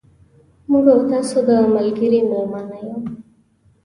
موږ او تاسو د ملګري مېلمانه یو.